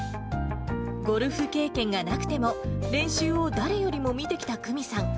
ゴルフ経験がなくても、練習を誰よりも見てきた久美さん。